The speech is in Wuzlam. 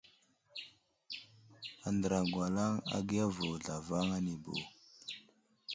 Andra ŋgwalaŋ agiya vo zlavaŋ anibo.